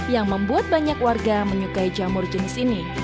yang membuat banyak warga menyukai jamur jenis ini